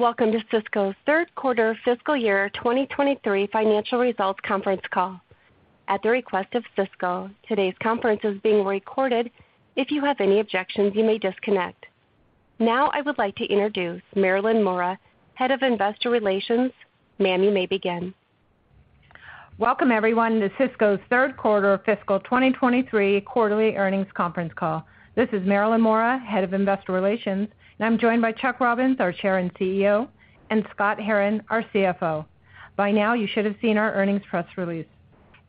Welcome to Cisco's third quarter fiscal year 2023 financial results conference call. At the request of Cisco, today's conference is being recorded. If you have any objections, you may disconnect. I would like to introduce Marilyn Mora, Head of Investor Relations. Ma'am, you may begin. Welcome, everyone, to Cisco's third quarter fiscal 2023 quarterly earnings conference call. This is Marilyn Mora, Head of Investor Relations, and I'm joined by Chuck Robbins, our Chair and CEO, and Scott Herren, our CFO. By now, you should have seen our earnings press release.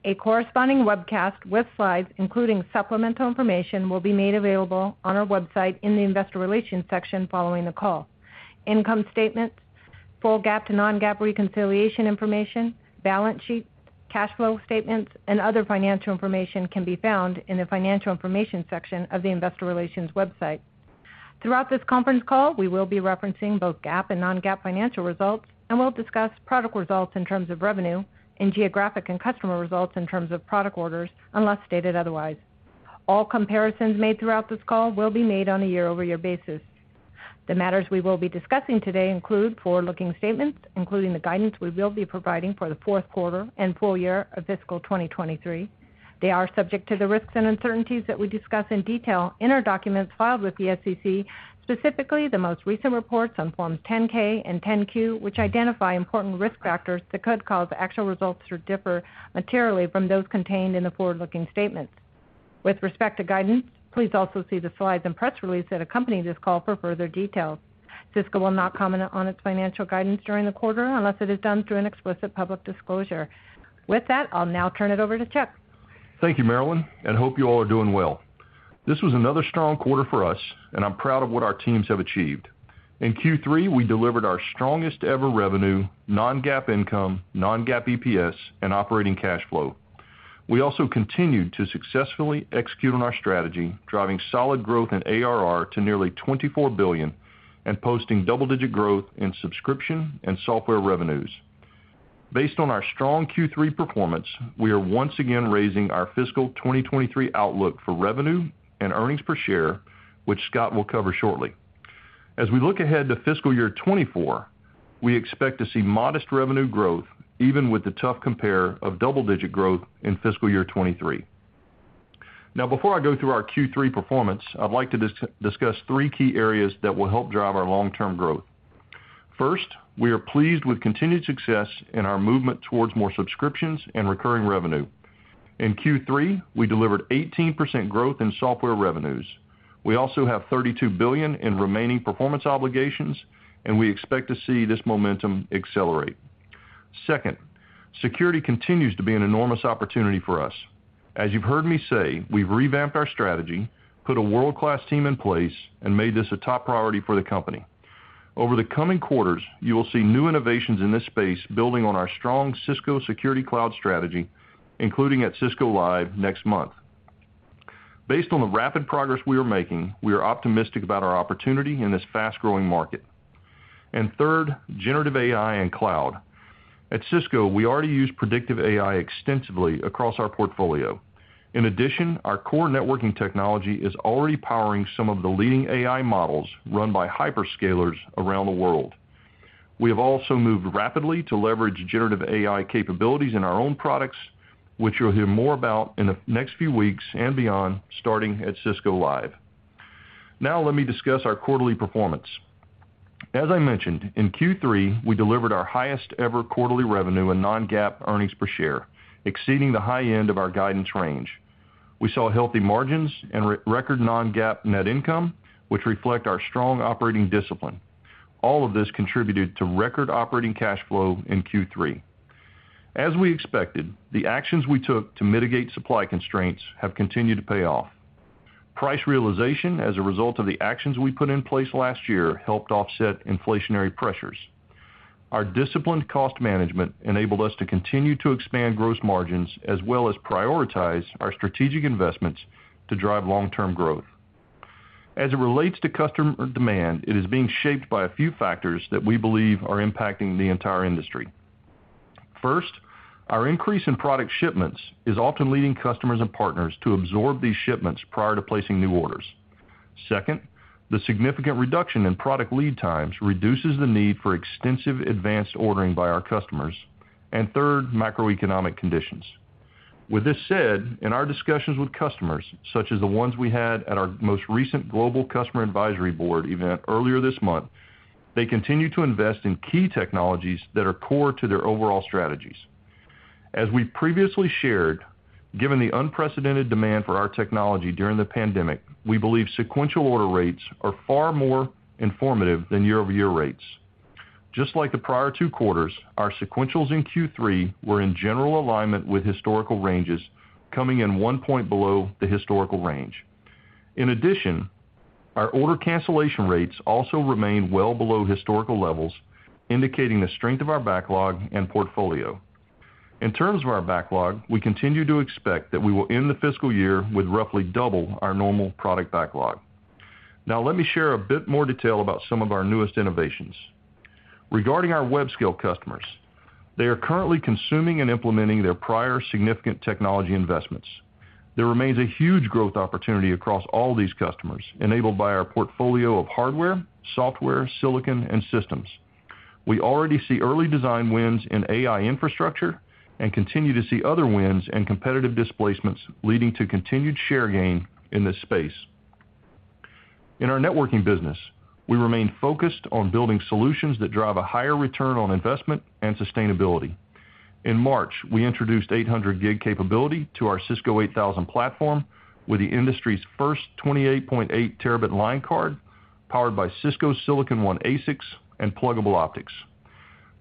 A corresponding webcast with slides, including supplemental information, will be made available on our website in the Investor Relations section following the call. Income statements, full GAAP to non-GAAP reconciliation information, balance sheet, cash flow statements, and other financial information can be found in the Financial Information section of the Investor Relations website. Throughout this conference call, we will be referencing both GAAP and non-GAAP financial results, and we'll discuss product results in terms of revenue and geographic and customer results in terms of product orders, unless stated otherwise. All comparisons made throughout this call will be made on a year-over-year basis. The matters we will be discussing today include forward-looking statements, including the guidance we will be providing for the fourth quarter and full year of fiscal 2023. They are subject to the risks and uncertainties that we discuss in detail in our documents filed with the SEC, specifically the most recent reports on Forms 10-K and 10-Q, which identify important risk factors that could cause actual results to differ materially from those contained in the forward-looking statements. With respect to guidance, please also see the slides and press release that accompany this call for further details. Cisco will not comment on its financial guidance during the quarter, unless it is done through an explicit public disclosure. With that, I'll now turn it over to Chuck. Thank you, Marilyn, and hope you all are doing well. This was another strong quarter for us, and I'm proud of what our teams have achieved. In Q3, we delivered our strongest ever revenue, non-GAAP income, non-GAAP EPS, and operating cash flow. We also continued to successfully execute on our strategy, driving solid growth in ARR to nearly $24 billion and posting double-digit growth in subscription and software revenues. Based on our strong Q3 performance, we are once again raising our fiscal 2023 outlook for revenue and earnings per share, which Scott will cover shortly. As we look ahead to fiscal year 2024, we expect to see modest revenue growth, even with the tough compare of double-digit growth in fiscal year 2023. Now, before I go through our Q3 performance, I'd like to discuss three key areas that will help drive our long-term growth. First, we are pleased with continued success in our movement towards more subscriptions and recurring revenue. In Q3, we delivered 18% growth in software revenues. We also have $32 billion in remaining performance obligations. We expect to see this momentum accelerate. Second, security continues to be an enormous opportunity for us. As you've heard me say, we've revamped our strategy, put a world-class team in place, and made this a top priority for the company. Over the coming quarters, you will see new innovations in this space building on our strong Cisco Security Cloud strategy, including at Cisco Live next month. Based on the rapid progress we are making, we are optimistic about our opportunity in this fast-growing market. Third, generative AI and cloud. At Cisco, we already use predictive AI extensively across our portfolio. In addition, our core networking technology is already powering some of the leading AI models run by hyperscalers around the world. We have also moved rapidly to leverage generative AI capabilities in our own products, which you'll hear more about in the next few weeks and beyond, starting at Cisco Live. Now let me discuss our quarterly performance. As I mentioned, in Q3, we delivered our highest ever quarterly revenue and non-GAAP earnings per share, exceeding the high end of our guidance range. We saw healthy margins and re-record non-GAAP net income, which reflect our strong operating discipline. All of this contributed to record operating cash flow in Q3. As we expected, the actions we took to mitigate supply constraints have continued to pay off. Price realization as a result of the actions we put in place last year helped offset inflationary pressures. Our disciplined cost management enabled us to continue to expand gross margins as well as prioritize our strategic investments to drive long-term growth. As it relates to customer demand, it is being shaped by a few factors that we believe are impacting the entire industry. First, our increase in product shipments is often leading customers and partners to absorb these shipments prior to placing new orders. Second, the significant reduction in product lead times reduces the need for extensive advanced ordering by our customers. Third, macroeconomic conditions. With this said, in our discussions with customers, such as the ones we had at our most recent Global Customer Advisory Board event earlier this month, they continue to invest in key technologies that are core to their overall strategies. As we previously shared, given the unprecedented demand for our technology during the pandemic, we believe sequential order rates are far more informative than year-over-year rates. Just like the prior two quarters, our sequentials in Q3 were in general alignment with historical ranges, coming in one point below the historical range. In addition, our order cancellation rates also remain well below historical levels, indicating the strength of our backlog and portfolio. In terms of our backlog, we continue to expect that we will end the fiscal year with roughly double our normal product backlog. Let me share a bit more detail about some of our newest innovations. Regarding our web scale customers, they are currently consuming and implementing their prior significant technology investments. There remains a huge growth opportunity across all these customers, enabled by our portfolio of hardware, software, silicon, and systems. We already see early design wins in AI infrastructure and continue to see other wins and competitive displacements, leading to continued share gain in this space. In our networking business, we remain focused on building solutions that drive a higher return on investment and sustainability. In March, we introduced 800G capability to our Cisco 8000 platform with the industry's first 28.8 terabit line card, powered by Cisco Silicon One ASICs and pluggable optics.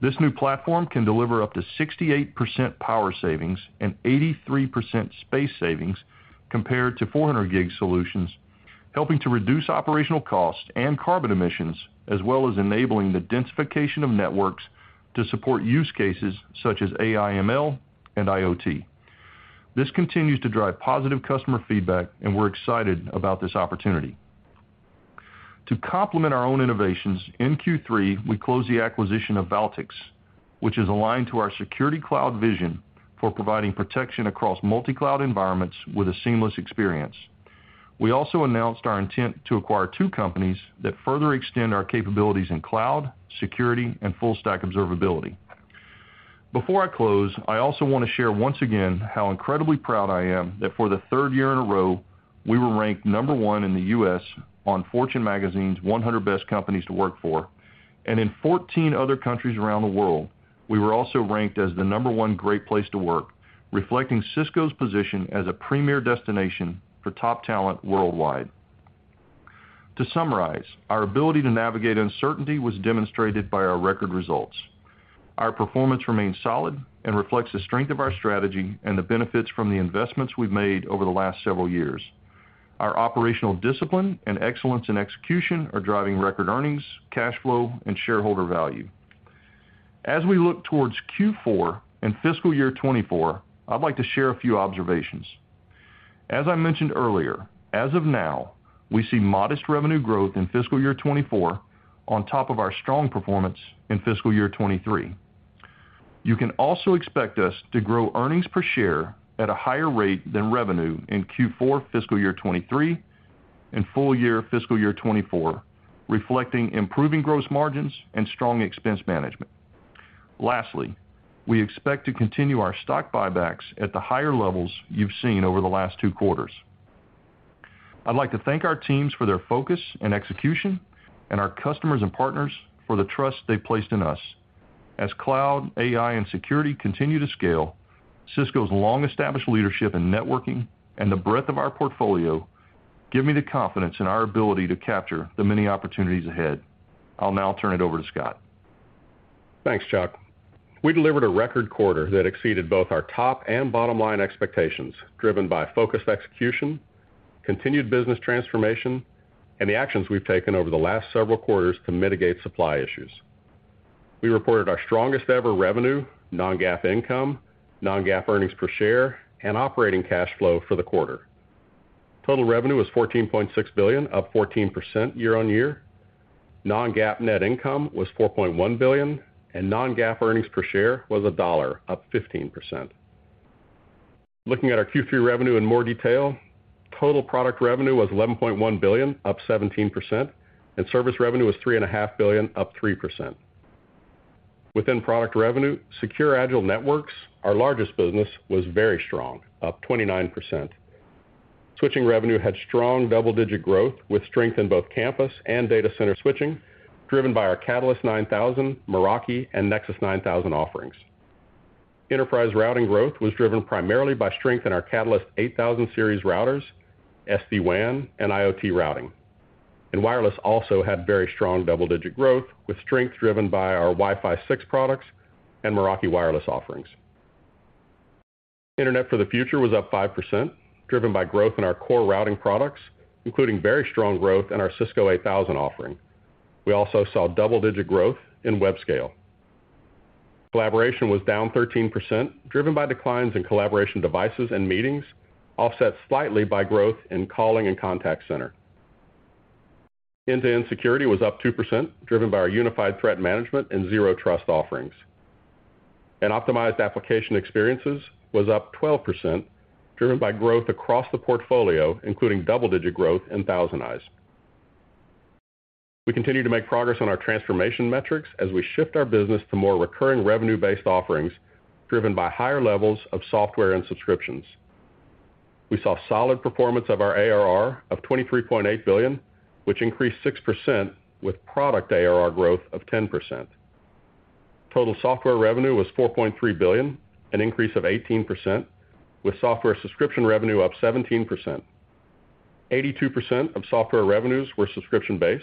This new platform can deliver up to 68% power savings and 83% space savings compared to 400G solutions, helping to reduce operational costs and carbon emissions, as well as enabling the densification of networks to support use cases such as AI ML and IoT. This continues to drive positive customer feedback, and we're excited about this opportunity. To complement our own innovations, in Q3, we closed the acquisition of Valtix, which is aligned to our security cloud vision for providing protection across multi-cloud environments with a seamless experience. We also announced our intent to acquire two companies that further extend our capabilities in cloud, security, and full-stack observability. Before I close, I also wanna share once again how incredibly proud I am that for the third year in a row, we were ranked number one in the U.S. on Fortune Magazine's 100 Best Companies to Work For. In 14 other countries around the world, we were also ranked as the number one great place to work, reflecting Cisco's position as a premier destination for top talent worldwide. To summarize, our ability to navigate uncertainty was demonstrated by our record results. Our performance remains solid and reflects the strength of our strategy and the benefits from the investments we've made over the last several years. Our operational discipline and excellence in execution are driving record earnings, cash flow, and shareholder value. As we look towards Q4 and fiscal year 2024, I'd like to share a few observations. As I mentioned earlier, as of now, we see modest revenue growth in fiscal year 2024 on top of our strong performance in fiscal year 2023. You can also expect us to grow earnings per share at a higher rate than revenue in Q4 fiscal year 2023 and full year fiscal year 2024, reflecting improving gross margins and strong expense management. Lastly, we expect to continue our stock buybacks at the higher levels you've seen over the last two quarters. I'd like to thank our teams for their focus and execution and our customers and partners for the trust they placed in us. As cloud, AI, and security continue to scale, Cisco's long-established leadership in networking and the breadth of our portfolio give me the confidence in our ability to capture the many opportunities ahead. I'll now turn it over to Scott. Thanks, Chuck. We delivered a record quarter that exceeded both our top and bottom-line expectations, driven by focused execution, continued business transformation, and the actions we've taken over the last several quarters to mitigate supply issues. We reported our strongest ever revenue, non-GAAP income, non-GAAP earnings per share, and operating cash flow for the quarter. Total revenue was $14.6 billion, up 14% year-over-year. Non-GAAP net income was $4.1 billion, and non-GAAP earnings per share was $1, up 15%. Looking at our Q3 revenue in more detail, total product revenue was $11.1 billion, up 17%, and service revenue was $3.5 billion, up 3%. Within product revenue, Secure, Agile Networks, our largest business, was very strong, up 29%. Switching revenue had strong double-digit growth with strength in both campus and data center switching, driven by our Catalyst 9000, Meraki, and Nexus 9000 offerings. Enterprise routing growth was driven primarily by strength in our Catalyst 8000 series routers, SD-WAN, and IoT routing. Wireless also had very strong double-digit growth, with strength driven by our Wi-Fi 6 products and Meraki wireless offerings. Internet for the Future was up 5%, driven by growth in our core routing products, including very strong growth in our Cisco 8000 offering. We also saw double-digit growth in web scale. Collaboration was down 13%, driven by declines in Collaboration devices and meetings, offset slightly by growth in calling and contact center. End-to-end security was up 2%, driven by our unified threat management and zero trust offerings. Optimized Application Experiences was up 12%, driven by growth across the portfolio, including double-digit growth in ThousandEyes. We continue to make progress on our transformation metrics as we shift our business to more recurring revenue-based offerings driven by higher levels of software and subscriptions. We saw solid performance of our ARR of $23.8 billion, which increased 6% with product ARR growth of 10%. Total software revenue was $4.3 billion, an increase of 18%, with software subscription revenue up 17%. 82% of software revenues were subscription-based.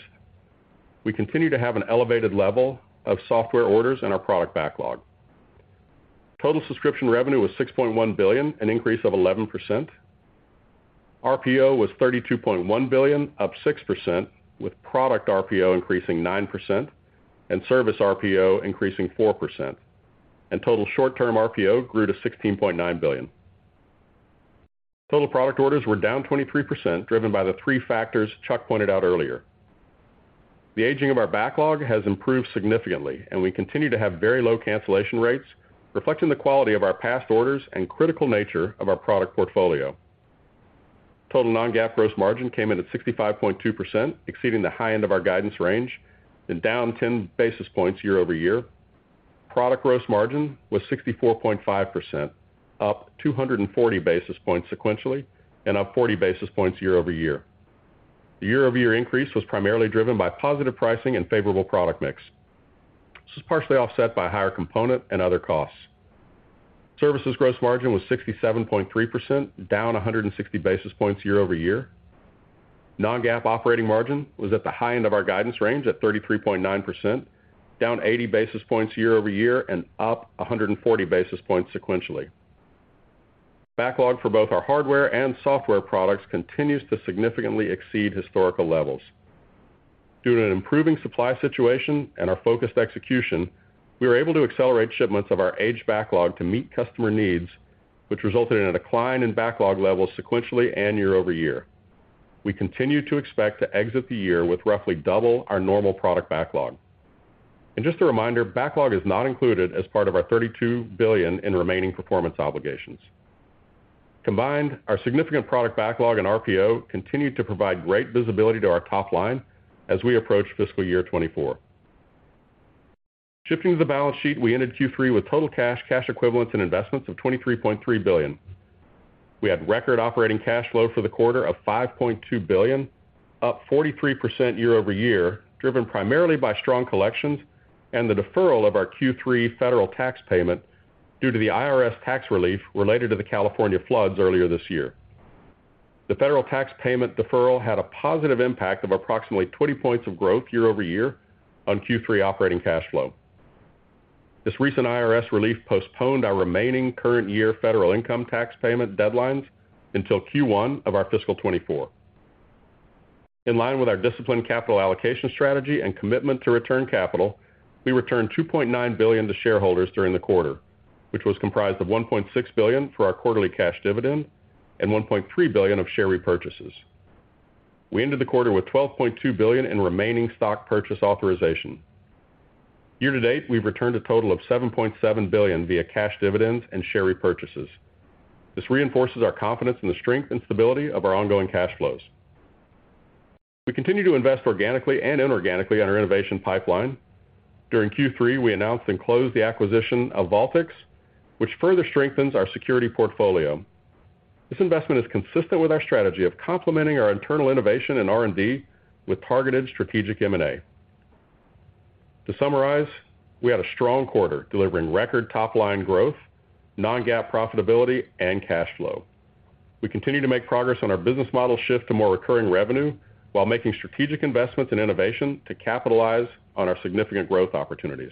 We continue to have an elevated level of software orders in our product backlog. Total subscription revenue was $6.1 billion, an increase of 11%. RPO was $32.1 billion, up 6%, with product RPO increasing 9% and service RPO increasing 4%. Total short-term RPO grew to $16.9 billion. Total product orders were down 23%, driven by the three factors Chuck pointed out earlier. The aging of our backlog has improved significantly, and we continue to have very low cancellation rates, reflecting the quality of our past orders and critical nature of our product portfolio. Total non-GAAP gross margin came in at 65.2%, exceeding the high end of our guidance range and down 10 basis points year-over-year. Product gross margin was 64.5%, up 240 basis points sequentially and up 40 basis points year-over-year. The year-over-year increase was primarily driven by positive pricing and favorable product mix. This was partially offset by higher component and other costs. Services gross margin was 67.3%, down 160 basis points year-over-year. Non-GAAP operating margin was at the high end of our guidance range at 33.9%, down 80 basis points year-over-year and up 140 basis points sequentially. Backlog for both our hardware and software products continues to significantly exceed historical levels. Due to an improving supply situation and our focused execution, we were able to accelerate shipments of our aged backlog to meet customer needs, which resulted in a decline in backlog levels sequentially and year-over-year. We continue to expect to exit the year with roughly double our normal product backlog. Just a reminder, backlog is not included as part of our $32 billion in remaining performance obligations. Combined, our significant product backlog and RPO continue to provide great visibility to our top line as we approach fiscal year 2024. Shifting to the balance sheet, we ended Q3 with total cash equivalents and investments of $23.3 billion. We had record operating cash flow for the quarter of $5.2 billion, up 43% year-over-year, driven primarily by strong collections and the deferral of our Q3 federal tax payment due to the IRS tax relief related to the California floods earlier this year. The federal tax payment deferral had a positive impact of approximately 20 points of growth year-over-year on Q3 operating cash flow. This recent IRS relief postponed our remaining current year federal income tax payment deadlines until Q1 of our fiscal 2024. In line with our disciplined capital allocation strategy and commitment to return capital, we returned $2.9 billion to shareholders during the quarter, which was comprised of $1.6 billion for our quarterly cash dividend and $1.3 billion of share repurchases. We ended the quarter with $12.2 billion in remaining stock purchase authorization. Year to date, we've returned a total of $7.7 billion via cash dividends and share repurchases. This reinforces our confidence in the strength and stability of our ongoing cash flows. We continue to invest organically and inorganically on our innovation pipeline. During Q3, we announced and closed the acquisition of Valtix, which further strengthens our security portfolio. This investment is consistent with our strategy of complementing our internal innovation in R&D with targeted strategic M&A. To summarize, we had a strong quarter delivering record top-line growth, non-GAAP profitability, and cash flow. We continue to make progress on our business model shift to more recurring revenue while making strategic investments in innovation to capitalize on our significant growth opportunities.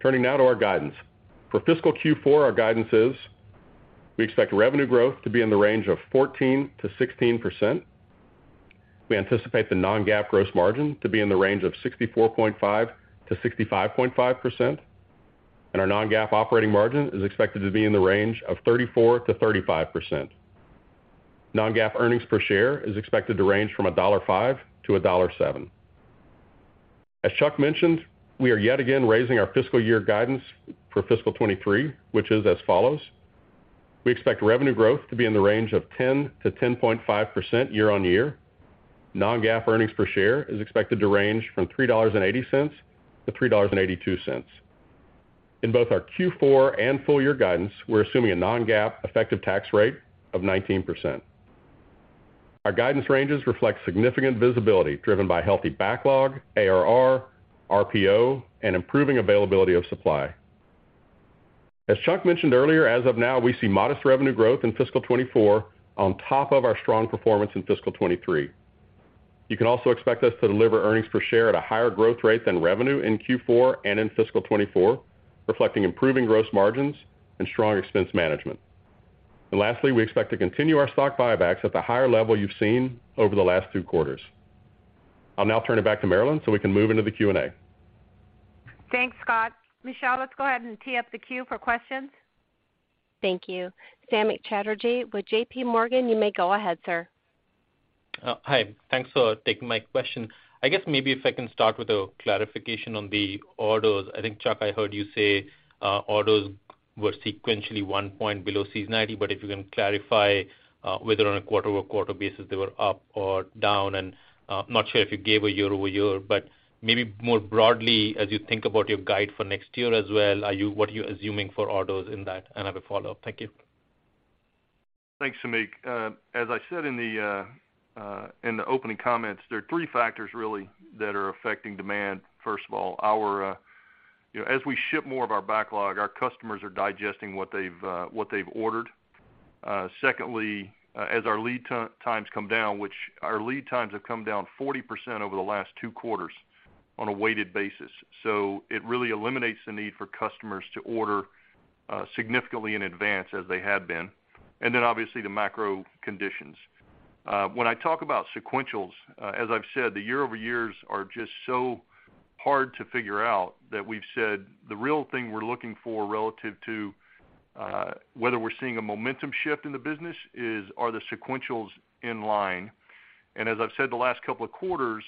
Turning now to our guidance. For fiscal Q4, our guidance is we expect revenue growth to be in the range of 14%-16%. We anticipate the non-GAAP gross margin to be in the range of 64.5%-65.5%. Our non-GAAP operating margin is expected to be in the range of 34%-35%. Non-GAAP earnings per share is expected to range from $1.05-$1.07. As Chuck mentioned, we are yet again raising our fiscal year guidance for fiscal 2023, which is as follows. We expect revenue growth to be in the range of 10%-10.5% year-on-year. Non-GAAP earnings per share is expected to range from $3.80-$3.82. In both our Q4 and full year guidance, we're assuming a non-GAAP effective tax rate of 19%. Our guidance ranges reflect significant visibility driven by healthy backlog, ARR, RPO, and improving availability of supply. As Chuck mentioned earlier, as of now, we see modest revenue growth in fiscal 2024 on top of our strong performance in fiscal 2023. You can also expect us to deliver earnings per share at a higher growth rate than revenue in Q4 and in fiscal 2024, reflecting improving gross margins and strong expense management. Lastly, we expect to continue our stock buybacks at the higher level you've seen over the last two quarters. I'll now turn it back to Marilyn so we can move into the Q&A. Thanks, Scott. Michelle, let's go ahead and tee up the queue for questions. Thank you. Samik Chatterjee with JPMorgan. You may go ahead, sir. Hi. Thanks for taking my question. I guess maybe if I can start with a clarification on the orders. I think, Chuck, I heard you say orders were sequentially 1 point below seasonality, but if you can clarify whether on a quarter-over-quarter basis they were up or down. I'm not sure if you gave a year-over-year, but maybe more broadly as you think about your guide for next year as well, are you what are you assuming for orders in that? I have a follow-up. Thank you. Thanks, Samik. As I said in the opening comments, there are three factors really that are affecting demand. First of all, our, you know, as we ship more of our backlog, our customers are digesting what they've, what they've ordered. Secondly, as our lead times come down, which our lead times have come down 40% over the last two quarters on a weighted basis. It really eliminates the need for customers to order significantly in advance as they had been. Obviously the macro conditions. When I talk about sequentials, as I've said, the year over years are just so hard to figure out that we've said the real thing we're looking for relative to, whether we're seeing a momentum shift in the business is are the sequentials in line. As I've said the last couple of quarters,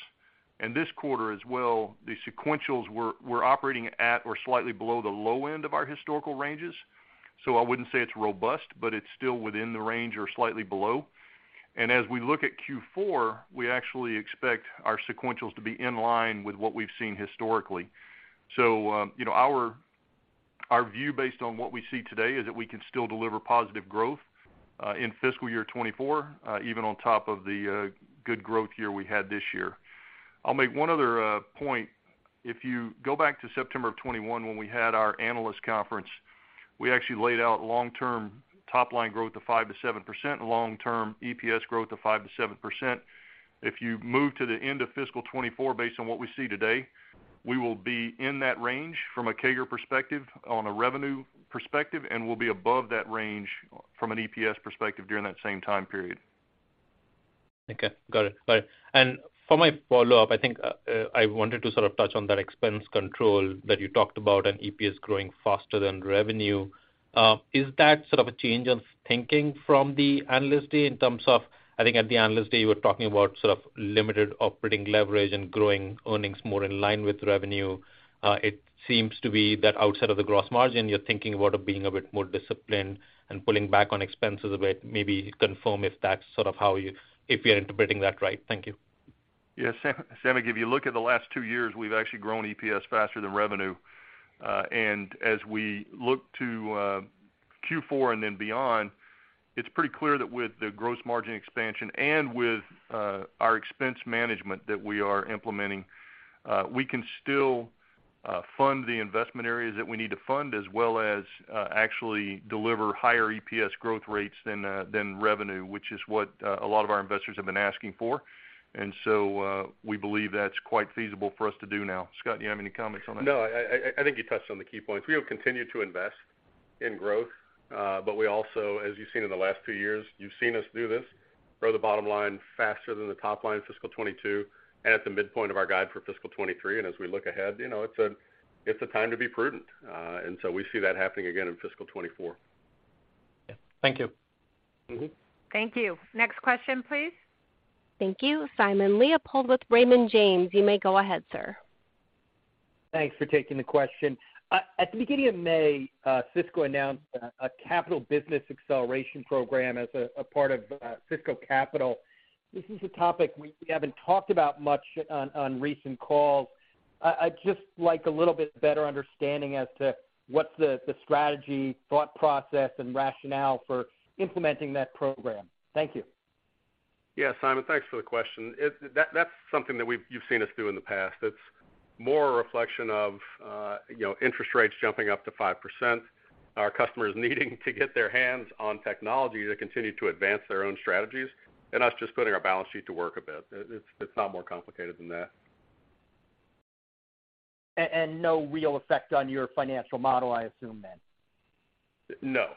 and this quarter as well, the sequentials we're operating at or slightly below the low end of our historical ranges. I wouldn't say it's robust, but it's still within the range or slightly below. As we look at Q4, we actually expect our sequentials to be in line with what we've seen historically. You know, our view based on what we see today is that we can still deliver positive growth in fiscal year 2024, even on top of the good growth year we had this year. I'll make one other point. If you go back to September of 2021 when we had our analyst conference, we actually laid out long-term top line growth of 5%-7% and long-term EPS growth of 5%-7%. If you move to the end of fiscal 2024 based on what we see today, we will be in that range from a CAGR perspective on a revenue perspective, and we'll be above that range from an EPS perspective during that same time period. Okay. Got it. All right. For my follow-up, I think, I wanted to sort of touch on that expense control that you talked about and EPS growing faster than revenue. Is that sort of a change of thinking from the analyst day in terms of, I think at the analyst day, you were talking about sort of limited operating leverage and growing earnings more in line with revenue? It seems to be that outside of the gross margin, you're thinking about it being a bit more disciplined and pulling back on expenses a bit, maybe confirm if that's sort of how we are interpreting that right? Thank you. Yeah, Samik, if you look at the last two years, we've actually grown EPS faster than revenue. As we look to Q4 and then beyond, it's pretty clear that with the gross margin expansion and with our expense management that we are implementing, we can still fund the investment areas that we need to fund as well as actually deliver higher EPS growth rates than revenue, which is what a lot of our investors have been asking for. We believe that's quite feasible for us to do now. Scott, do you have any comments on that? No, I think you touched on the key points. We have continued to invest in growth, but we also, as you've seen in the last two years, you've seen us do this, grow the bottom line faster than the top line in fiscal 2022 and at the midpoint of our guide for fiscal 2023. As we look ahead, you know, it's a, it's a time to be prudent. We see that happening again in fiscal 2024. Yeah. Thank you. Mm-hmm. Thank you. Next question, please. Thank you. Simon Leopold with Raymond James. You may go ahead, sir. Thanks for taking the question. At the beginning of May, Cisco announced a Capital Business Acceleration Program as a part of Cisco Capital. This is a topic we haven't talked about much on recent calls. I'd just like a little bit better understanding as to what's the strategy, thought process, and rationale for implementing that program. Thank you. Yeah, Simon, thanks for the question. That's something that you've seen us do in the past. It's more a reflection of, you know, interest rates jumping up to 5%, our customers needing to get their hands on technology to continue to advance their own strategies, and us just putting our balance sheet to work a bit. It's not more complicated than that. No real effect on your financial model, I assume, then? No.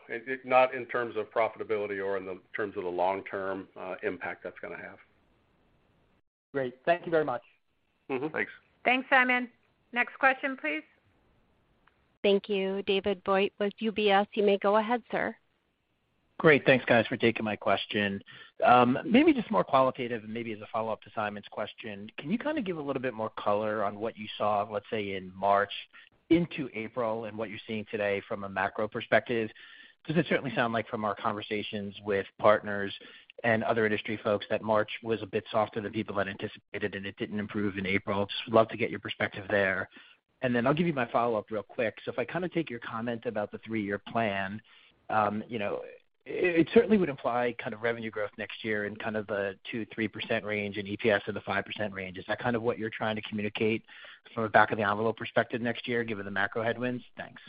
Not in terms of profitability or in the terms of the long-term impact that's gonna have. Great. Thank you very much. Mm-hmm. Thanks. Thanks, Simon. Next question, please. Thank you. David Vogt with UBS. You may go ahead, sir. Great. Thanks, guys, for taking my question. Maybe just more qualitative and maybe as a follow-up to Simon's question, can you kind of give a little bit more color on what you saw, let's say, in March into April and what you're seeing today from a macro perspective? Does it certainly sound like from our conversations with partners and other industry folks that March was a bit softer than people had anticipated and it didn't improve in April. Just would love to get your perspective there. I'll give you my follow-up real quick. If I kinda take your comment about the three-year plan, you know, it certainly would imply kind of revenue growth next year in kind of the 2%-3% range and EPS in the 5% range. Is that kind of what you're trying to communicate from a back of the envelope perspective next year given the macro headwinds? Thanks.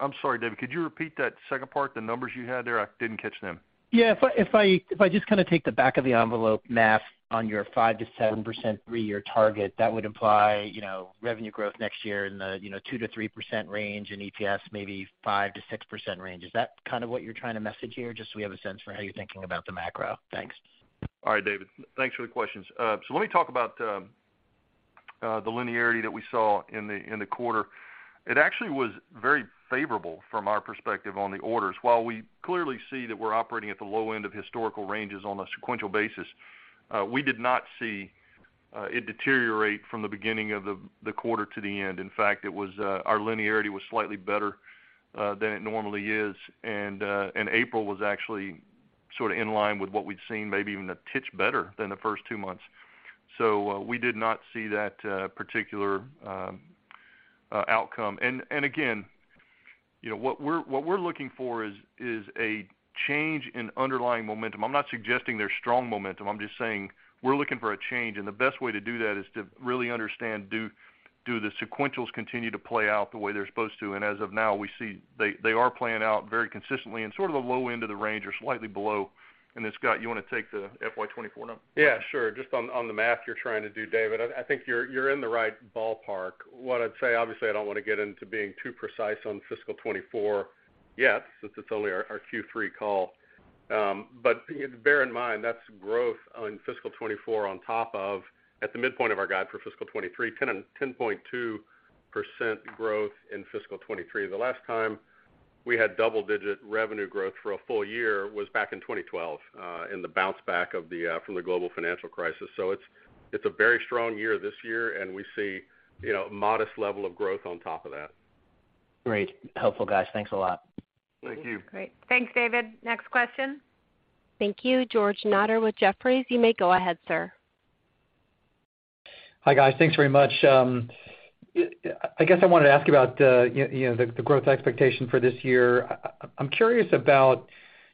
I'm sorry, David, could you repeat that second part, the numbers you had there? I didn't catch them. Yeah. If I just kind of take the back of the envelope math on your 5%-7% three-year target, that would imply, you know, revenue growth next year in the, you know, 2%-3% range and EPS maybe 5%-6% range. Is that kind of what you're trying to message here, just so we have a sense for how you're thinking about the macro? Thanks. All right, David. Thanks for the questions. Let me talk about the linearity that we saw in the quarter. It actually was very favorable from our perspective on the orders. While we clearly see that we're operating at the low end of historical ranges on a sequential basis, we did not see it deteriorate from the beginning of the quarter to the end. In fact, it was our linearity was slightly better than it normally is. April was actually sorta in line with what we'd seen, maybe even a titch better than the first two months. We did not see that particular outcome. Again, you know, what we're looking for is a change in underlying momentum. I'm not suggesting there's strong momentum. I'm just saying we're looking for a change, and the best way to do that is to really understand, do the sequentials continue to play out the way they're supposed to? As of now, we see they are playing out very consistently and sort of the low end of the range or slightly below. Scott, you wanna take the FY 2024 number? Yeah, sure. Just on the math you're trying to do, David, I think you're in the right ballpark. What I'd say, obviously, I don't wanna get into being too precise on fiscal 2024 yet since it's only our Q3 call. Bear in mind, that's growth on fiscal 2024 on top of at the midpoint of our guide for fiscal 2023, 10.2% growth in fiscal 2023. The last time we had double-digit revenue growth for a full year was back in 2012, in the bounce back of the from the global financial crisis. It's a very strong year this year, and we see, you know, modest level of growth on top of that. Great. Helpful, guys. Thanks a lot. Thank you. Great. Thanks, David. Next question. Thank you. George Notter with Jefferies. You may go ahead, sir. Hi, guys. Thanks very much. I guess I wanted to ask you about, you know, the growth expectation for this year. I'm curious about,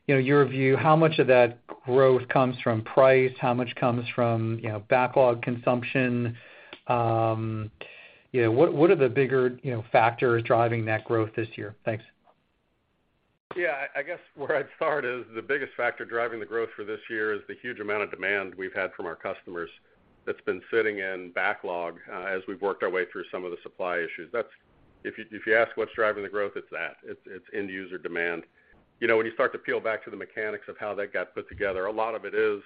you know, your view, how much of that growth comes from price, how much comes from, you know, backlog consumption. You know, what are the bigger, you know, factors driving that growth this year? Thanks. Yeah, I guess where I'd start is the biggest factor driving the growth for this year is the huge amount of demand we've had from our customers that's been sitting in backlog, as we've worked our way through some of the supply issues. If you ask what's driving the growth, it's that. It's end user demand. You know, when you start to peel back to the mechanics of how that got put together, a lot of it is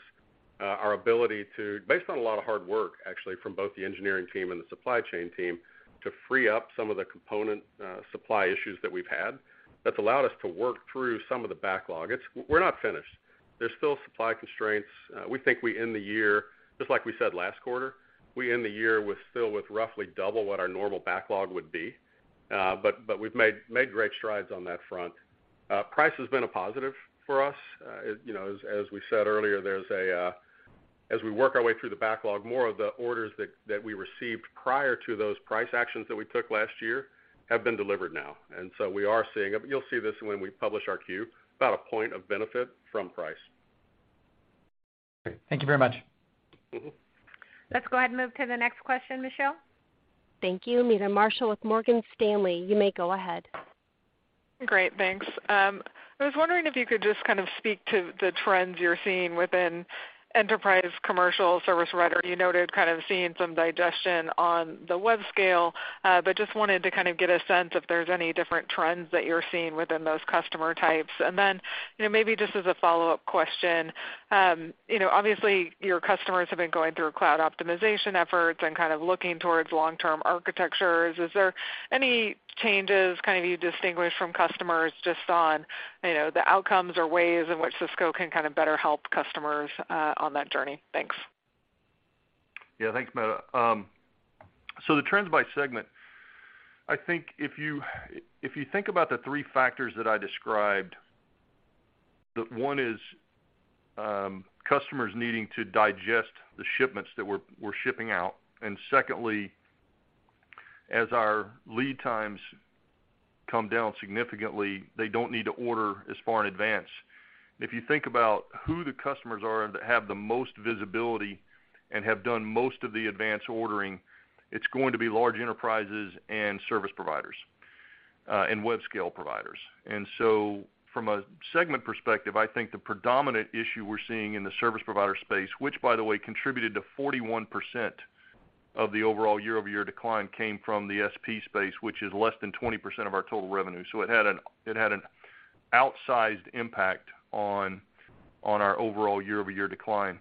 our ability to, based on a lot of hard work, actually, from both the engineering team and the supply chain team, to free up some of the component supply issues that we've had. That's allowed us to work through some of the backlog. We're not finished. There's still supply constraints. We think we end the year, just like we said last quarter, we end the year with roughly double what our normal backlog would be, but we've made great strides on that front. Price has been a positive for us. You know, as we said earlier, as we work our way through the backlog, more of the orders that we received prior to those price actions that we took last year have been delivered now. We are seeing it. You'll see this when we publish our Q, about a point of benefit from price. Great. Thank you very much. Mm-hmm. Let's go ahead and move to the next question, Michelle. Thank you. Meta Marshall with Morgan Stanley. You may go ahead. Great. Thanks. I was wondering if you could just kind of speak to the trends you're seeing within enterprise commercial service provider. You noted kind of seeing some digestion on the web scale, but just wanted to kind of get a sense if there's any different trends that you're seeing within those customer types. You know, maybe just as a follow-up question, you know, obviously, your customers have been going through cloud optimization efforts and kind of looking towards long-term architectures. Is there any changes kind of you distinguish from customers just on, you know, the outcomes or ways in which Cisco can kind of better help customers on that journey? Thanks. Yeah. Thanks, Meta. The trends by segment, I think if you, if you think about the three factors that I described, the one is customers needing to digest the shipments that we're shipping out. Secondly, as our lead times come down significantly, they don't need to order as far in advance. If you think about who the customers are that have the most visibility and have done most of the advance ordering, it's going to be large enterprises and service providers, and web scale providers. From a segment perspective, I think the predominant issue we're seeing in the service provider space, which by the way, contributed to 41% of the overall year-over-year decline came from the SP routing, which is less than 20% of our total revenue. It had an outsized impact on our overall year-over-year decline.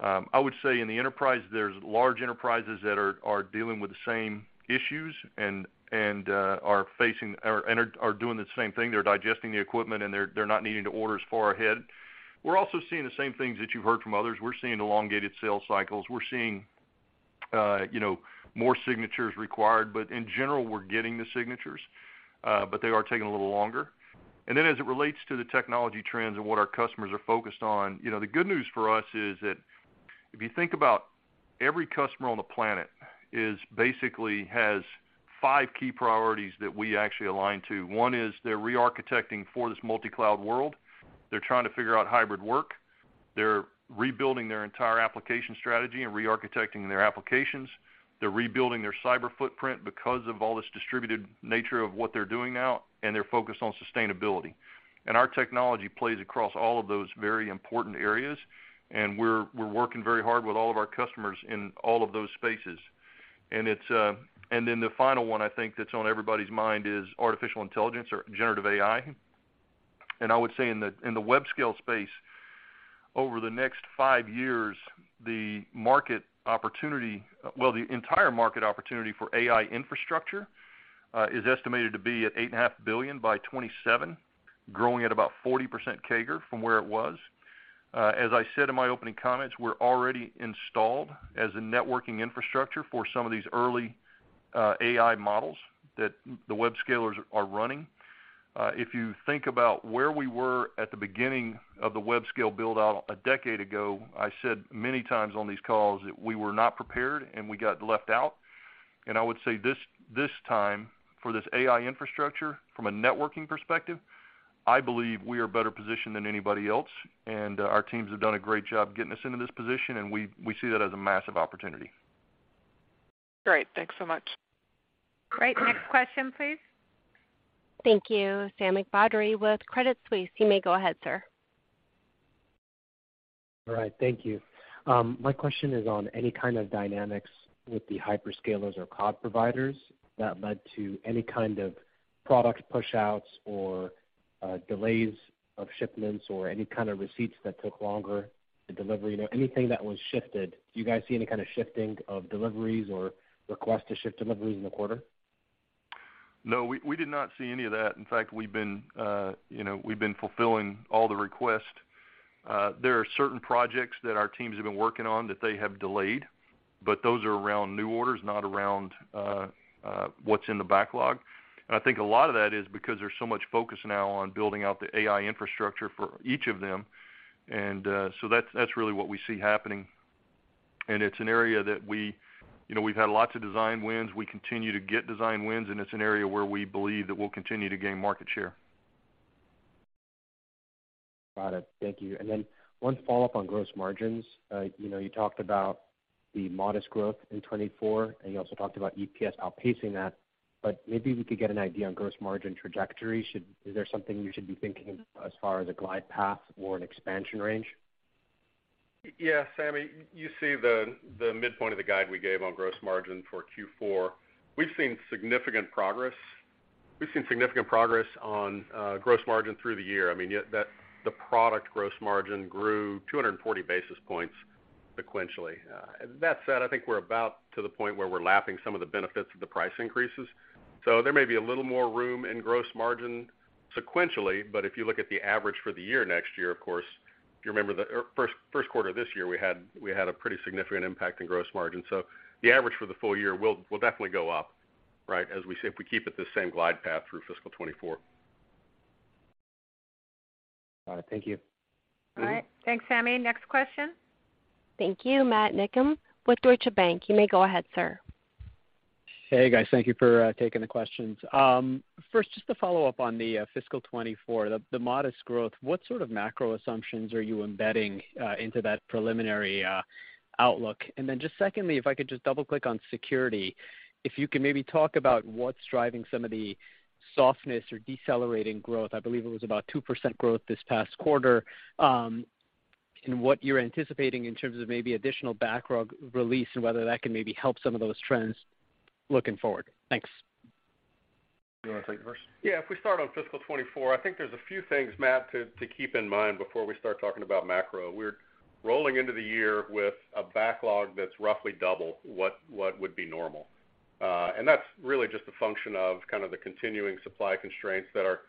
I would say in the enterprise, there's large enterprises that are dealing with the same issues and are doing the same thing. They're digesting the equipment, and they're not needing to order as far ahead. We're also seeing the same things that you've heard from others. We're seeing elongated sales cycles. We're seeing, you know, more signatures required. In general, we're getting the signatures, but they are taking a little longer. As it relates to the technology trends and what our customers are focused on, you know, the good news for us is that if you think about every customer on the planet is basically has five key priorities that we actually align to. One is they're re-architecting for this multi-cloud world. They're trying to figure out hybrid work. They're rebuilding their entire application strategy and re-architecting their applications. They're rebuilding their cyber footprint because of all this distributed nature of what they're doing now, and they're focused on sustainability. Our technology plays across all of those very important areas, and we're working very hard with all of our customers in all of those spaces. It's. Then the final one I think that's on everybody's mind is artificial intelligence or generative AI. I would say in the web scale space, over the next five years, the entire market opportunity for AI infrastructure is estimated to be at $8.5 billion by 2027, growing at about 40% CAGR from where it was. As I said in my opening comments, we're already installed as a networking infrastructure for some of these early AI models that the web scalers are running. If you think about where we were at the beginning of the web scale build out a decade ago, I said many times on these calls that we were not prepared and we got left out. I would say this time for this AI infrastructure from a networking perspective, I believe we are better positioned than anybody else. Our teams have done a great job getting us into this position, and we see that as a massive opportunity. Great. Thanks so much. Great. Next question, please. Thank you. Sami Badri with Credit Suisse. You may go ahead, sir. All right. Thank you. My question is on any kind of dynamics with the hyperscalers or cloud providers that led to any kind of product pushouts or delays of shipments or any kind of receipts that took longer to deliver, you know, anything that was shifted. Do you guys see any kind of shifting of deliveries or requests to ship deliveries in the quarter? No, we did not see any of that. In fact, we've been, you know, we've been fulfilling all the requests. There are certain projects that our teams have been working on that they have delayed, but those are around new orders, not around what's in the backlog. I think a lot of that is because there's so much focus now on building out the AI infrastructure for each of them. So that's really what we see happening. It's an area that we, you know, we've had lots of design wins. We continue to get design wins, and it's an area where we believe that we'll continue to gain market share. Got it. Thank you. One follow-up on gross margins. you know, you talked about the modest growth in 2024, and you also talked about EPS outpacing that, but maybe we could get an idea on gross margin trajectory. Is there something you should be thinking as far as a glide path or an expansion range? Yeah, Sami, you see the midpoint of the guide we gave on gross margin for Q4. We've seen significant progress. We've seen significant progress on gross margin through the year. I mean, the product gross margin grew 240 basis points sequentially. That said, I think we're about to the point where we're lapping some of the benefits of the price increases. There may be a little more room in gross margin sequentially, but if you look at the average for the year next year, of course, if you remember the first quarter this year, we had a pretty significant impact in gross margin. The average for the full year will definitely go up, right, as we say, if we keep it the same glide path through fiscal 2024. Got it. Thank you. Mm-hmm. All right. Thanks, Sami. Next question. Thank you. Matt Niknam with Deutsche Bank. You may go ahead, sir. Hey, guys. Thank you for taking the questions. First, just to follow up on the fiscal 2024, the modest growth, what sort of macro assumptions are you embedding into that preliminary outlook? Just secondly, if I could just double-click on security, if you can maybe talk about what's driving some of the softness or decelerating growth, I believe it was about 2% growth this past quarter, and what you're anticipating in terms of maybe additional backlog release and whether that can maybe help some of those trends looking forward. Thanks. You wanna take it first? If we start on fiscal 2024, I think there's a few things, Matt, to keep in mind before we start talking about macro. We're rolling into the year with a backlog that's roughly double what would be normal. That's really just a function of kind of the continuing supply constraints that are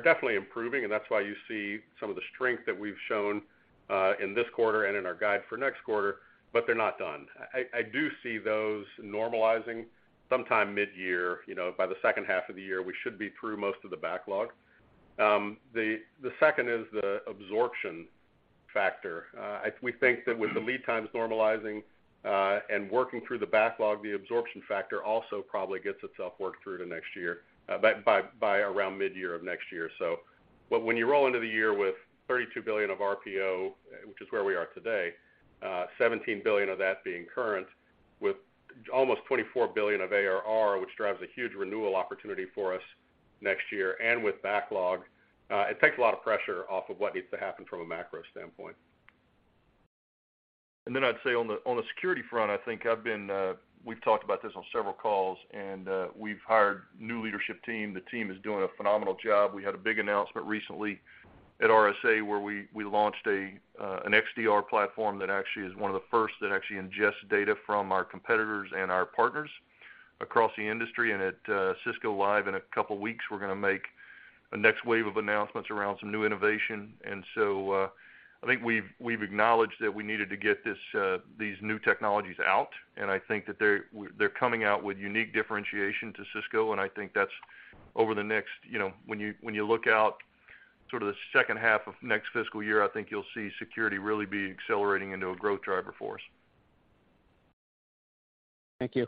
definitely improving, and that's why you see some of the strength that we've shown in this quarter and in our guide for next quarter. They're not done. I do see those normalizing sometime mid-year, you know. By the second half of the year, we should be through most of the backlog. The second is the absorption factor. We think that with the lead times normalizing, and working through the backlog, the absorption factor also probably gets itself worked through to next year, by around mid-year of next year. When you roll into the year with $32 billion of RPO, which is where we are today, $17 billion of that being current, with almost $24 billion of ARR, which drives a huge renewal opportunity for us next year, and with backlog, it takes a lot of pressure off of what needs to happen from a macro standpoint. I'd say on the, on the security front, I think I've been, we've talked about this on several calls, we've hired new leadership team. The team is doing a phenomenal job. We had a big announcement recently at RSA, where we launched an XDR platform that actually is one of the first that actually ingests data from our competitors and our partners across the industry. At Cisco Live in a couple weeks, we're gonna make a next wave of announcements around some new innovation. I think we've acknowledged that we needed to get these new technologies out, and I think that they're coming out with unique differentiation to Cisco, and I think that's over the next, you know, when you look out sort of the second half of next fiscal year, I think you'll see security really be accelerating into a growth driver for us. Thank you.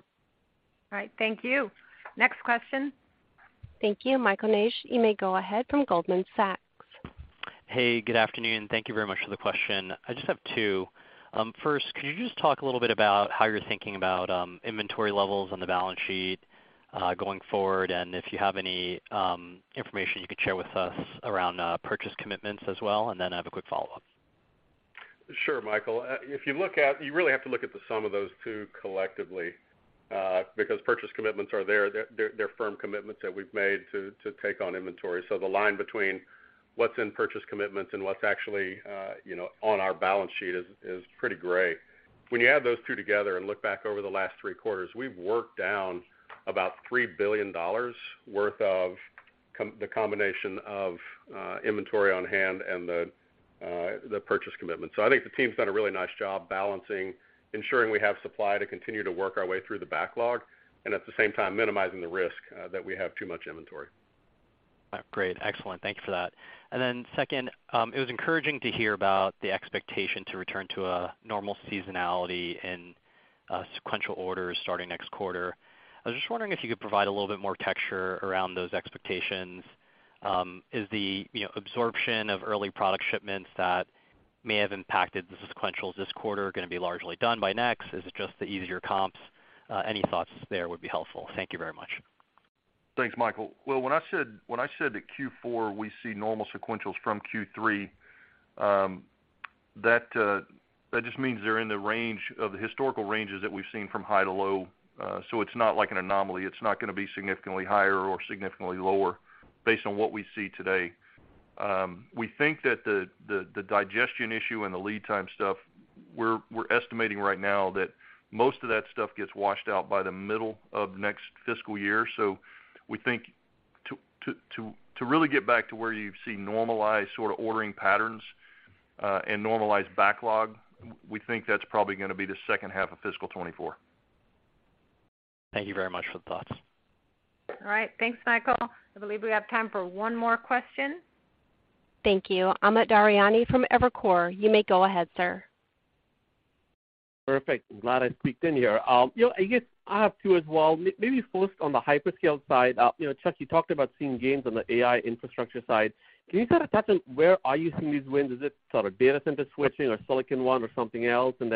All right. Thank you. Next question. Thank you. Michael Ng, you may go ahead from Goldman Sachs. Hey, good afternoon. Thank you very much for the question. I just have two. First, could you just talk a little bit about how you're thinking about inventory levels on the balance sheet going forward? If you have any information you could share with us around purchase commitments as well? I have a quick follow-up. Sure, Michael. You really have to look at the sum of those two collectively, because purchase commitments are there. They're firm commitments that we've made to take on inventory. The line between what's in purchase commitments and what's actually, you know, on our balance sheet is pretty gray. When you add those two together and look back over the last three quarters, we've worked down about $3 billion worth of the combination of inventory on hand and the purchase commitment. I think the team's done a really nice job balancing, ensuring we have supply to continue to work our way through the backlog and at the same time minimizing the risk that we have too much inventory. Great. Excellent. Thank you for that. Second, it was encouraging to hear about the expectation to return to a normal seasonality and sequential orders starting next quarter. I was just wondering if you could provide a little bit more texture around those expectations. Is the, you know, absorption of early product shipments that may have impacted the sequentials this quarter gonna be largely done by next? Is it just the easier comps? Any thoughts there would be helpful. Thank you very much. Thanks, Michael. Well, when I said that Q4, we see normal sequentials from Q3. That just means they're in the range of the historical ranges that we've seen from high to low. It's not like an anomaly. It's not gonna be significantly higher or significantly lower based on what we see today. We think that the digestion issue and the lead time stuff, we're estimating right now that most of that stuff gets washed out by the middle of next fiscal year. We think to really get back to where you've seen normalized sort of ordering patterns, and normalized backlog, we think that's probably gonna be the second half of fiscal 2024. Thank you very much for the thoughts. All right. Thanks, Michael. I believe we have time for one more question. Thank you. Amit Daryanani from Evercore. You may go ahead, sir. Perfect. Glad I squeaked in here. You know, I guess I have two as well, maybe first on the hyperscale side. You know, Chuck, you talked about seeing gains on the AI infrastructure side. Can you kind of touch on where are you seeing these wins? Is it sort of data center switching or Silicon One or something else? You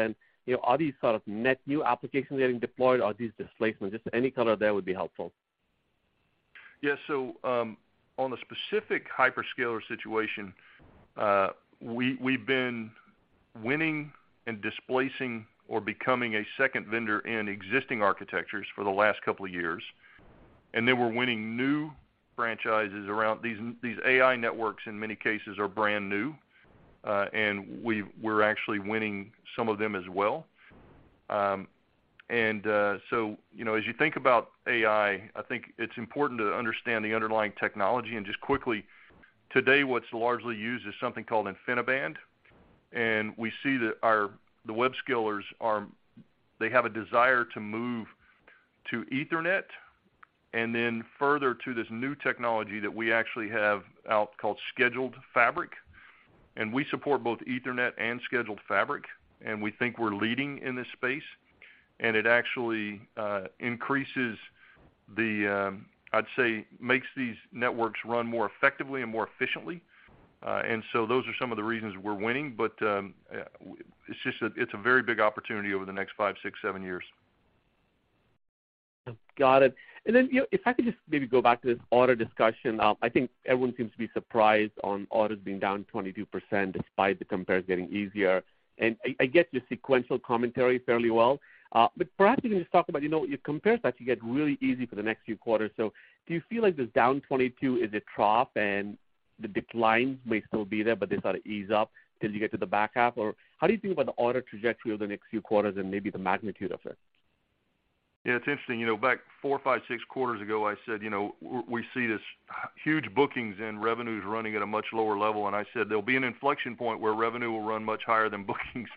know, are these sort of net new applications getting deployed? Are these displacements? Just any color there would be helpful. On a specific hyperscaler situation, we've been winning and displacing or becoming a second vendor in existing architectures for the last couple of years. We're winning new franchises around these AI networks, in many cases, are brand new, and we're actually winning some of them as well. You know, as you think about AI, I think it's important to understand the underlying technology. Just quickly, today, what's largely used is something called InfiniBand, and we see that the web scalers have a desire to move to Ethernet, and then further to this new technology that we actually have out called Scheduled Fabric. We support both Ethernet and Scheduled Fabric, and we think we're leading in this space. It actually, I'd say, makes these networks run more effectively and more efficiently. Those are some of the reasons we're winning. It's just that it's a very big opportunity over the next five, six, seven years. Got it. You know, if I could just maybe go back to this order discussion. I think everyone seems to be surprised on orders being down 22% despite the compares getting easier. I get your sequential commentary fairly well, but perhaps you can just talk about, you know, your compares actually get really easy for the next few quarters. Do you feel like this down 22 is a trough and the decline may still be there, but they sort of ease up till you get to the back half? How do you think about the order trajectory over the next few quarters and maybe the magnitude of it? Yeah, it's interesting. You know, back four, five, six quarters ago, I said, you know, we see this huge bookings and revenues running at a much lower level. I said, there'll be an inflection point where revenue will run much higher than bookings,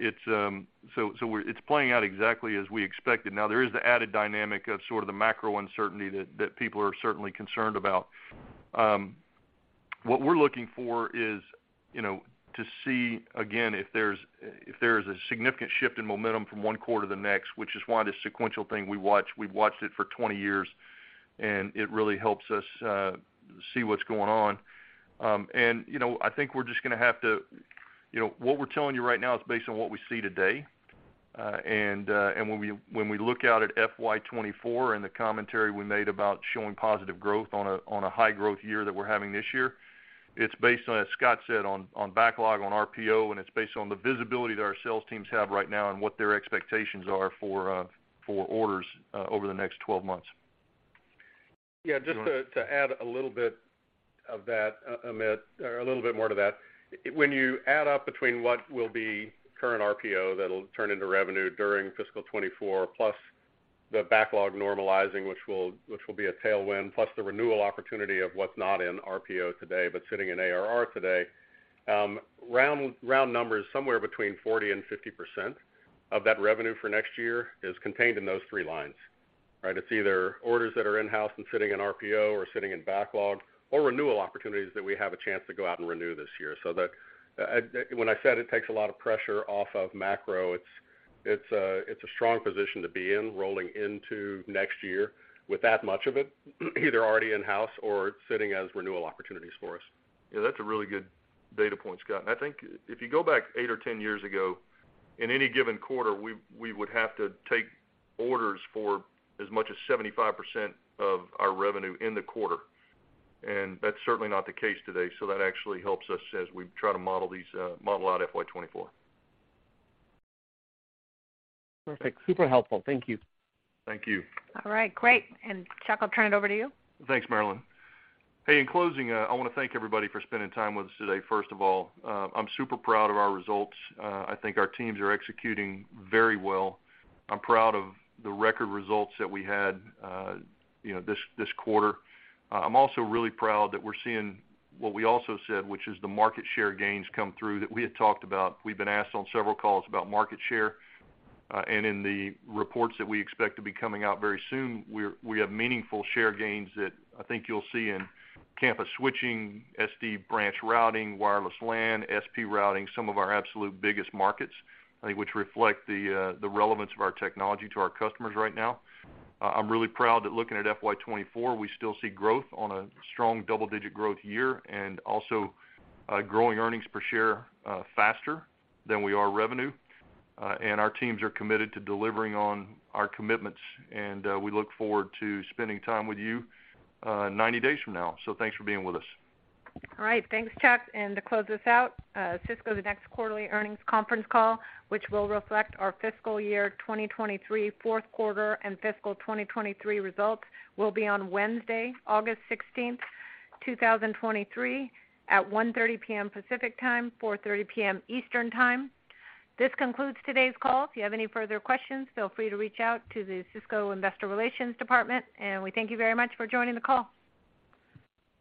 it's playing out exactly as we expected. There is the added dynamic of sort of the macro uncertainty that people are certainly concerned about. What we're looking for is, you know, to see, again, if there's a significant shift in momentum from one quarter to the next, which is why the sequential thing we've watched it for 20 years, and it really helps us see what's going on. You know, I think we're just gonna have to - You know, what we're telling you right now is based on what we see today. And when we look out at FY 2024 and the commentary we made about showing positive growth on a high growth year that we're having this year, it's based on, as Scott said, on backlog, on RPO, and it's based on the visibility that our sales teams have right now and what their expectations are for orders over the next 12 months. Yeah. Just to add a little bit of that, Amit, or a little bit more to that. When you add up between what will be current RPO that'll turn into revenue during fiscal 2024, plus the backlog normalizing, which will be a tailwind, plus the renewal opportunity of what's not in RPO today but sitting in ARR today, round numbers, somewhere between 40% and 50% of that revenue for next year is contained in those three lines, right? It's either orders that are in-house and sitting in RPO or sitting in backlog or renewal opportunities that we have a chance to go out and renew this year. When I said it takes a lot of pressure off of macro, it's a, it's a strong position to be in rolling into next year with that much of it either already in-house or sitting as renewal opportunities for us. Yeah, that's a really good data point, Scott. I think if you go back eight or 10 years ago, in any given quarter, we would have to take orders for as much as 75% of our revenue in the quarter, and that's certainly not the case today. That actually helps us as we try to model these, model out FY 2024. Perfect. Super helpful. Thank you. Thank you. All right. Great. Chuck, I'll turn it over to you. Thanks, Marilyn. Hey, in closing, I wanna thank everybody for spending time with us today, first of all. I'm super proud of our results. I think our teams are executing very well. I'm proud of the record results that we had, you know, this quarter. I'm also really proud that we're seeing what we also said, which is the market share gains come through that we had talked about. We've been asked on several calls about market share, and in the reports that we expect to be coming out very soon, we have meaningful share gains that I think you'll see in campus switching, SD-Branch routing, wireless LAN, SP routing, some of our absolute biggest markets, I think, which reflect the relevance of our technology to our customers right now. I'm really proud that looking at FY 2024, we still see growth on a strong double-digit growth year and also, growing earnings per share, faster than we are revenue. Our teams are committed to delivering on our commitments, and, we look forward to spending time with you, 90 days from now. Thanks for being with us. All right. Thanks, Chuck. To close this out, Cisco's next quarterly earnings conference call, which will reflect our fiscal year 2023, fourth quarter, and fiscal 2023 results, will be on Wednesday, August 16th, 2023 at 1:30 P.M. Pacific Time, 4:30 P.M. Eastern Time. This concludes today's call. If you have any further questions, feel free to reach out to the Cisco Investor Relations department. We thank you very much for joining the call.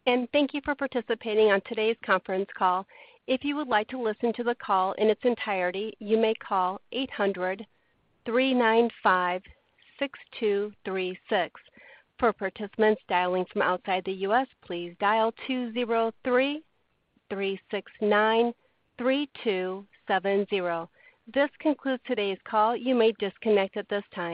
Thank you for participating on today's conference call. If you would like to listen to the call in its entirety, you may call 800-395-6236. For participants dialing from outside the U.S., please dial 203-369-3270. This concludes today's call. You may disconnect at this time.